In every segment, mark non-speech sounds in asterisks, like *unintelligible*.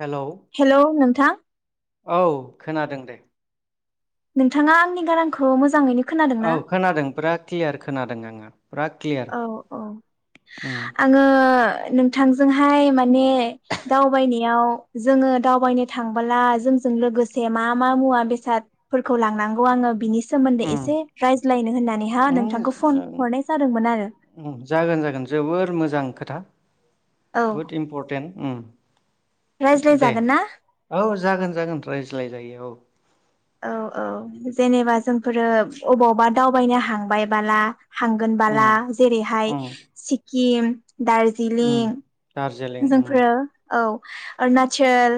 Hello hello नोंथां औ खोनादों दे नोंथाङा आंनि गारांखौ मोजाङैनो खोनादों औ ना? खोनादों बिराद क्लियार खोनादों आङो फुरा क्लियार औ औ उम आङो नोंथांजोंहाय माने दावबायनायाव जोङो दावबायनो थांबोला जोंजों लोगोसे मा मा मुवा बेसादफोरखौ लांनांगौ आङो बिनिस सोमोन्दै उम एसे रायज्लायनो होननानै हा नोंथांखौ फन हरनाय जाद उ जागोन जागोन जोबोर मोजा जां खोथा औ बहुत इम्पर्टेन्ट उ रायज्लायजागोन ना जागोन जागोन रायज्लायजायो औ औ औ जेनेबा जोंफोरो अबावबा दावबायनो हांबाय बाला हांगोन उम बाला जेरैहाय उम सि किम दार्जिलिं जिलिं उ जोंफोरो औ अरुणाचल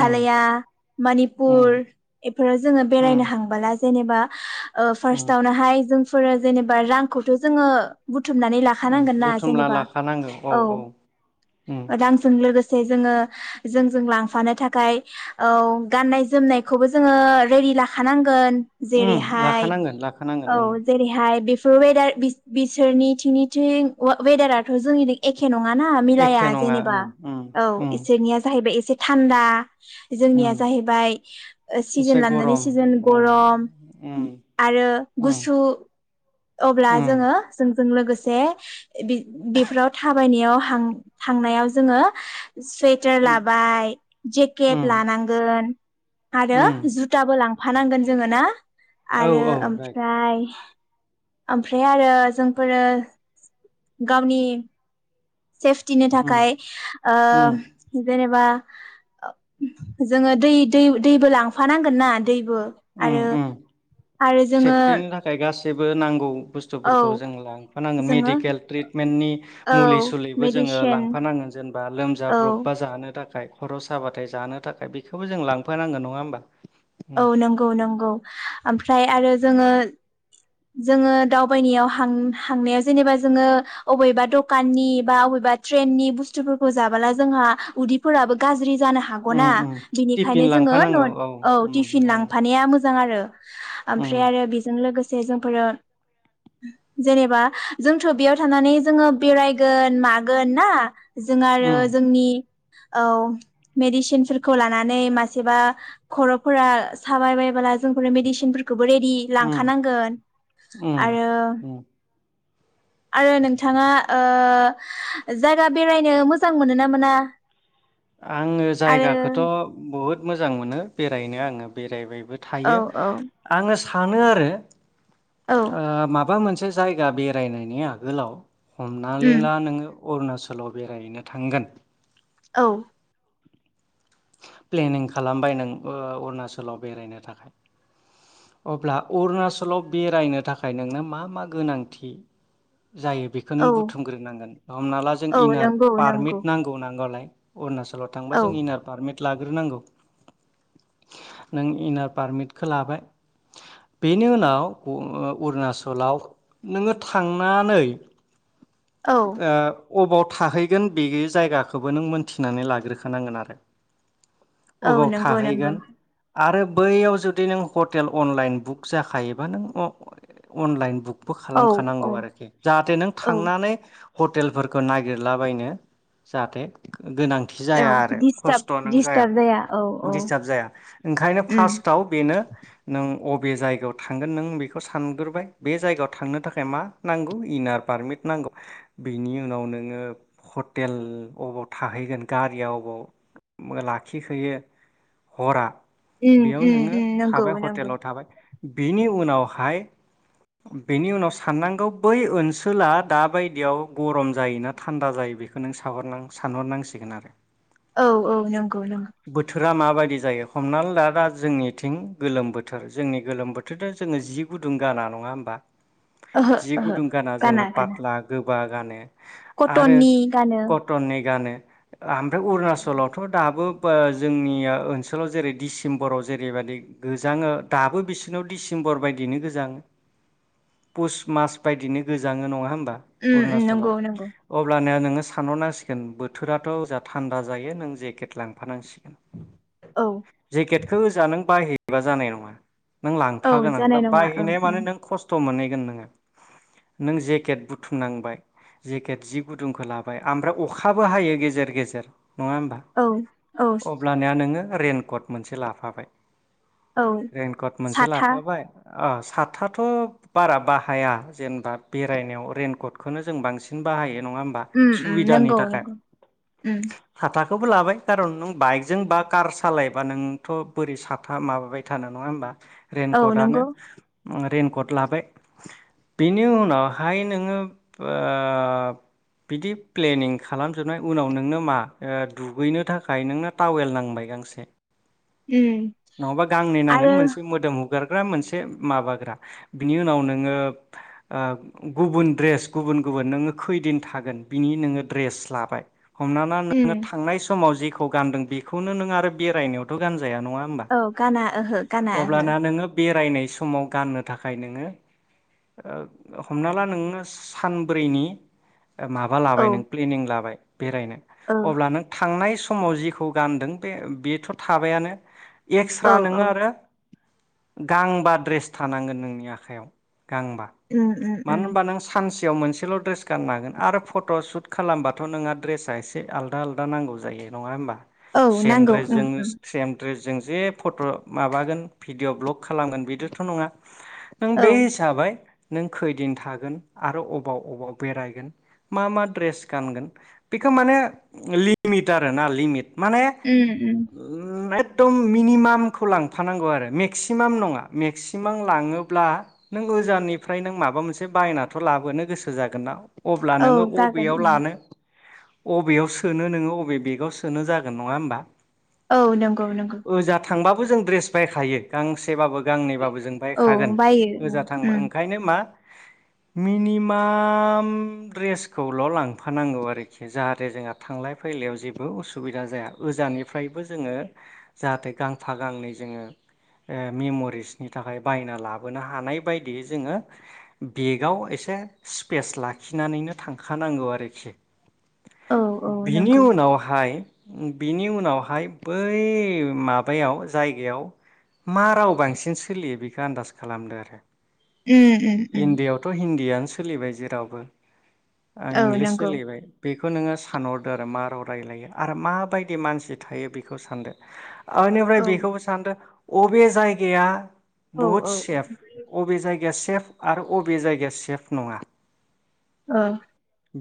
उम उम मनिपुर एफोराव जोङो उम बेरायनो हांबोला जेनेबा ओ उम फार्स्टआवनोहाय जों फोरनो जेनेबा रांखौथ जोङो बु बुथुमनानै उम लाखानांगोन ना बुथुमना जेनेबा लाखानांगौ औ उम रांजों लो गोसे जोङो जोंजों लांफानो थाखाय औ गाननाय जोमनायखौबो जोङो रेडि लाखानांगोन उम जेरैहाय लाखानांगोन लाखानांगोन औ ओं जेरैहाय बे वेदार बिसोरनिथिं निथिं वेदाराथ' जोंनिं एखे नङाना मिलाया एखे नङा जेनेबा ओं उम औ उम इसोरनिया जाहैबाय एसे थान्दा जोंनिया उम जाहैबाय सिजोन एसे लानि गरम सिजोन उम गरम उम आरो उम गुसु अब्ला उम जोङो जों लोगोसे बेफोराव थाबायनायाव थांनायाव जोङो सुवेटार लाबाय जेकेट उम लानांगोन आरो उम जुताबो लां फानांगोन जोङो ना औ आरो औ राइट ओमफ्राय ओमफ्राय आरो जोंफोरो गावनि सेफटिनि उम थाखाय ओ उम जेनेबा जोङो दै दैबो लांफानांगोनना? दैबो उम आरो उम आरो जोङो बो नांगौ औ बुस्थुफोरखौ जों लांफानांगोन जोङो मेडिकेल ट्रिटमेन्टनि औ मुलि सुलिबो जोङो मेडिसिन लांफानांगोन जेनेबा औ लोमजाब्रबबा जानो थाखाय खर' साबाथाय जानो थाखाय बेखौबो जों लांफानांगोन नङा होमबा? उम। औ नोंगौ ओमफ्राय आरो जोङो जोङो दावबायनायाव हांनाया जेनेबा जोङो अबेबा दखाननि बा अबेबा ट्रेननि बुस्थुफोरखौ जाबोला जोंहा उदैफोराबो गाज्रि जानो हागौना उम उम टिफिन बेनिखायनो जोङो लांफानांगौ औ उम टिफिन नंगौ लांफानाया मोजां मोजां आरो। उम ओमफ्राय आरो बेजों लोगोसे जोंफोरो जेनेबा जोंथ' बेयाव थानानै जोङो बेरायगोन मागोन ना। जों आरो उम जोंनि औ मेडिसिनफोरखौ लानानै मासेबा खर'फोरा साबाय बायबोला जोंफोर मेडिसिन खौबो रेडि उम लांखानांगौ। गोन उम आरो उम आरो नोंथाङा ओ जायगा बेरायनो मोजां मोनो ना मोना? आङो आरो जायगाखौथ' बहुद मोजां मोनो। बेरायनो आङो बेरायबाय औ थायो औ आङो सानो आरो। औ ओ माबा मोनसे। मोनसे जायगा बेरायनायनि आगोलाव हमनानै उम ला नोङो अरुणाचलाव बेरायहैनो थांगोन औ‌। प्लेनिं खालामबाय नों अरुणाचलाव बेरायनो थाखाय अब्ला अरुणाचलाव बेरायनो थाखाय नोंनो मा मा गोनांथि जायो बेखौ नों औ बुथुमग्रोनांगोन हमना ला जों औ इनार नंगौ पारमिट नंगौ नांगौ नांगौलाय अरनाच सलाव थांबा औ जों इनार फारमिट लाग्रोनांगौ नों इनार पारमिटखौ लाबाय बेनि उनाव अरुणचलाव नोङो थांनानै ओ औ । अबाव थाहैगोन बे जायगाखौबो नों मोनथिनानै लाग्रोखानांगोन आरो। औ अबाव नंगौ नंगौ। थाहैगोन आरो बैयाव जुदि नों हटेल अनलाइन बुक जाखायोबा नों अनलाइन बुक बो औ औ खालामखानांगौ आरोखि जाहाथे नों औ थांनानै हटेलफोरखौ नागिरलाबायनो जाहाथे गोनांथि औ जाया आरो। दिस्टाब खस्थ' नों जाया दिस्टाब औ औ दिस्टार्ब जाया ओंखायनो उम फारसटाव बे नो नों अबे जायगायाव थांगोन नों बेखौ सानग्रोबाय बे जायगायाव थांनो थाखाय मा नांगौ इनार पारमिट नांगौ बेनि उनाव नोङो हटेल अबाव थाहैगोन गारिया अबाव मो लाखिखायो हरा उम बेयाव उम नोङो उम नंगौ थाबाय नंगौ हटेलाव थाबाय । बिनि उनावहाय बेनि उनाव साननांगौ बै ओनसोला दाबायदियाव गरम जायो ना थान्दा जायो बेखौ नों सानहर सानहरनांसिगोन आरो । औ औ नंगौ नंगौ । बोथोरा माबायदि जायो हमना दा दा जोंनिथिं गोलोम बोथोर जोंनि गोलोम बोथोरथ' जोङो जि गुदुं गाना नङा होमबा? ओहो जि ओहो गुदुं गाना जोङो पाथ्ला गो गोबा गानो, आरो कटननि गानो कटननि गानो । आ-ओमफ्राय उरना औ चलावथ' दाबो जोंनिया ओनसोलाव जेरै डिसेम्बराव जेरैबायाददि गोजाङो दाबो बिसिोरनाव डिसेम्बर बायदिनो गोजाङो पुस मास बायदिनो गोजाङो नङा होमब बा उम उम नंगौ नंगौ अरुणाचलाव अब्लाना नों नो सानहरनांसिगोन बोथोराथ' जा थानदा । जायो नों जेकेट लांफानांसिगोन। औ जेकेटखौ होजोंहा नों बायहै एबा जानाय नङा। नों औ लांफागोन आं जानाय नङा ओं बायहैनाया माने नों खस्थ मोनै नोङो नों जेकेट बुथुमनांबाय जेकेट जि गुदुंखौ लाबाय ओमफ्राय अखाबो हायो गेजेर गेजेर । नङा होमबा ओं औ अब्लानिया नोङो रइेनकट मोनसे लाफाबाय औ । रेनकट मोनसे साथा लाफाबाय । आ साथाथ बारा बाहाया जेनेबा बेरायनायाव रइेनकटखौनो जों बांसिन बाहायो । ओ ओ नंगौ नंगौ । साथाखौबो लाबाय कारन नों बाइकजों बा कार सालायबा नोंथ' बोरै साथा माबाबाय थानो नङा होमबा? औ रेनकटआनो नंगौ रइेनकट लाबाय बिनि उनावहाय नोङो ओ बिदि प्लेनिं खालामजोबनाय उनाव नोंनो मा ओ दुगैनो थाखाय नोंना टावेल नांबाय गांसे। उम नङाबा गांनै नांगोन आरो मोनसे मोदोम हु जेरैबा मोनसे माबाग्रा बेनि उनाव नोङो ओ गुबुन द्रेस गुबुन गुबुन नोंजों कैदिन थागोन बेनि नों द्रेस लाबाय हमना ला न उम नोङो थांनाय समाव जि गानदों बेखौनो नों आरो बेरायनायावथ गानज औ गाना ओहो गाना ओहो अब्लाना । नोङो बेरायनाय समाव गाननो थाखाय नोङो हमना ला नोङो सानब्रैनि माबा लाबाय ओहो नों प्लेनिं लाबाय बेरायनो औ । अब्ला नों थांनाय समाव जिखौ गानदों बे बेथ थाबायानो। औ एकस्रा नोङो औ आरो। गांबा ड्रेस थानांगोन नोंनि आखाइयाव। गांबा उम उम मानो उम होनबा नों सानसे सियाव मोनसेल ड्रेस गाननो हागोन आरो फट सुट खालामबाथ नोंहा ड्रेसा एसे आलदा आलदा नांगौ जायो नङा होनबा। औ सेम नांगौ उम द्रेसजों नो उम सेम द्रेस। जों जे फट माबागोन भिडिअ ब्लग खालामगोन बिदिथ नङा। नों औ बे हिसाबै। नों खैदिन थागोन आरो अबाव अबाव बेरायगोन मा मा ड्रेस गानगोन बेखौ माने लिमिट आरो ना लिमिट। माने उम उम *unintelligible* एकदम मिनिमामखौ लांफानांगौ आरो मेक्सिमाम नङा मेक्सिमाम लाङोब्ला नों ओजानिफ्राय नों माबा मोनसे बायनाथ लाबोनो गोसो जागोनना। अब्ला औ नोङो जागोन अबेयाव उम लानो। अबेयाव सोनो नोङो अबे बेगाव सोनो जागोन नङा होमबा। औ नंगौ नंगौ। ओजा थांबाबो जों द्रेस बायखायो गां सेबाबो गांनैबाबो जों औ बायखागोन बायो गोजा उम थांबा उम ओंखायनो मा मिनिमाम दड्रेसखौल' लांफानांगौ आरोखि जाहाथे जोंहा। थांलाय फैलायाव जेबो उसुबिदा जाया जाननिफ्रायबो जोङो जाहाथे गांफा गांनै जोङो ओ मेम'रिसनि थाखाय बायना लाबोनो हानाय बायदियै जोङो बेगाव एसे स्पेस लाखिनानैनो थांखानांगौ आरोखि। औ औ बिनि नंगौ उनावहाय। बिनि उनावहाय बै माबायाव जायगायाव मा राव बांसिन सोलियो बेखौ आन्दास खालामदो आरो। उम उम उम। इण्डियाआवथ' हिन्दीयानो सोलिबाय जेरावबो। आं औ इंलिस नंगौ सोलायबाय बे। खौ नोङो। सानहरदो आरो मा राव रायलायो आरो माबायदि मानसि थायो बेखौ सानदो। आनिफ्राय औ बेखौबो सानदो। अबे जायगाया। बुहुत औ सेफ अबे जायगा सेफ आरो अबे जायगाया सेफ नङा। ओ।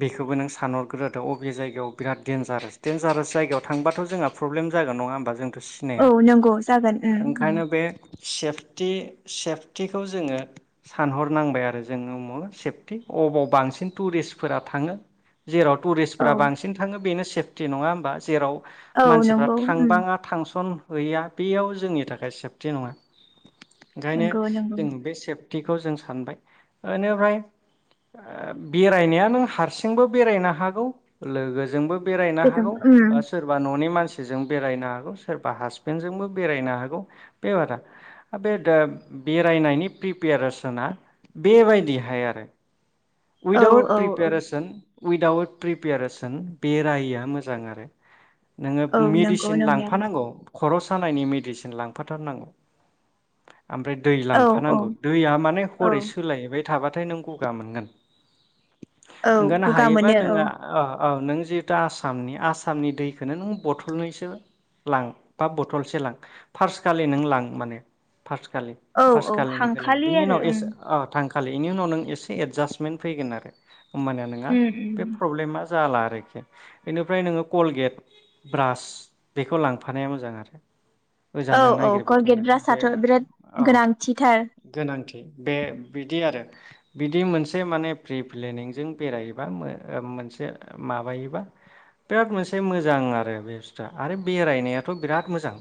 बेखौबो नों सानहरग्रोथ' अ। बे जायगायाव बिराद देनजारास डेनजारास जायगायाव थांबाथ जोंहा प्रब्ले जागोन नंङा होमबा जों सिनाया औ नंगौ जागोन उम उम ओंखायनो बे सेफटि सेफटिखौ जोंङो सानहरनांबाय आरो जोंङो उमावनो सेफटि अबाव बांसिन टुरिस्टफोरा थांङो जेराव टुरिस्ट औ फोरा बांसिन थांङो बेनो सेफटि नंङा होमबा जेराव औ मानसिफ्रा नंगौ उम थांबाङा थांसन गैया बेयाव जोंनि थाखाय सेफटि नंङा ओंखायनो नंगौ नंगौ जों बे सेफ खौ जों सानबाय बेनिफ्राय बेरायनाया नों हारसिंबो बेरायनो हागौ लोगोजोंबो बेरायनो गोजोन हागौ उम बा सोरबा ननि मानसि सोरजों बेरायना सोरबा हासबेन्डजोंबो बेरायनो हागौ बे बारा बे बेरायनायनि प्रिपेरेसना बेबायदिहाय आरो औ वदाउट औ प्रिपेरेसन उइदाउद ट्रिप प्रिपारेसन बेरायियानो मोजां आरो नोंङो औ नंगौ मेडिसिन नंनायालाय लांफानांगौ खर सानायनि मेडिसिन लांफाथारनांगौ । ओमफ्राय दै औ औ लांफानांगौ दैया माने औ हरै सोलायैबाय थाबाथाय नों गगा मोनगोन औ ओंखायनो गगा हायोबा मोनो औ नोङो औ नों जिहेतु आसामनि आसामनि दैखोनो नों बथलनैसो लां बा बथलसो लां फार्सखालि नों लां माने फासखालि औ औ फाखालिनिखो लों हांखालि बिनि आरो उनाव उम एस अ थां खालिनि उनाव नों एसे एडजास्टमेन्ट फैगोन आरो होमबानिया नोंङा उम उम जाला आरोखि बेनिफ्राय नोंङो कलगेट ब्रास बेखौ लांफानाया मोजां आरो औ ओजानो औ नागिरबाय कलगेट थानो बे ब्रासआथ' बिराद औ गोनांथिथार गोनांथि बे बिदि आरो बिदि मोनसे माने प्रि प्लेनिंजों बेरायोबा मो मोनसे माबायोबा बिराद मोनसे मोजां आरो बे बुस्थुआ आरो बेरायनायाथ बिराद मोजां।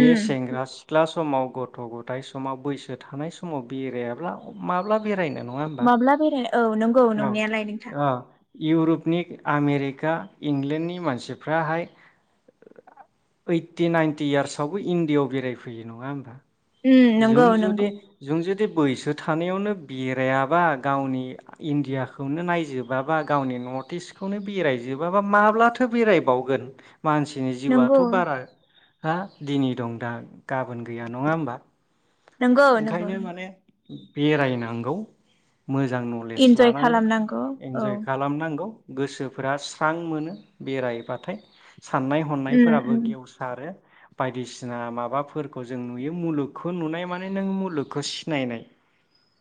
उम सेंग्रा सिख्ला समाव गथ गथाय समाव बैसो थानाय समाव बेरायाब्ला माब्ला बेरायनो। नङा होमबा माब्ला बेराय औ नंगौ नोंनायालाय नों अ इउरुपनि आमेरिका इंलेण्डनि मानसिफ्राहाय ओइटि नाइनटि यार्सआवबो इण्डियाआव बेरायफैयो नंङा होमबा। उम नंगौ नंगौ। बे बैसो थानायावनो बेरायाबा गावनि इण्डियाखौनो नायजोबाबा गावनि नर्थ इस्टखौनो बेरायजोबाबा माब्लाथो बेरायबावगोन मानसिनि नंगौ जिउआथ' बारा हा दिनै दं दा गाबोन गैया नङा होमबा? नंगौ नंगौ। ओंखायनो माने बेरायनांगौ मोजां नलेज इन्जय लानांगौ खालामनांगौ औ इन्जय खालामनांगौ गोसोफोरा स्रां मोनो बेरायबाथाय साननाय उम हनायफोराबो उम गेवसारो बायदिसिना माबाफोरखौ जों नुयो मुलुगखौ नुनाय मा ने नों मुलुगखौ सिनायनाय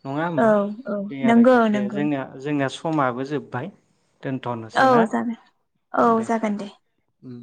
नङा औ होमबा, औ दे नंगौ आरोखि दे, नंगौ जोंनिया जोंनिया स समाबो जोब्बाय दोनथ'नोसै औ ना जागोन औ जागोन दे। उम